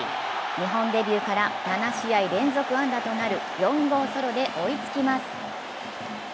日本デビューから７試合連続安打となる４号ソロで追いつきます。